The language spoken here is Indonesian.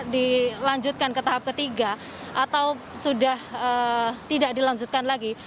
dilanjutkan ke tahap ketiga atau sudah tidak dilanjutkan lagi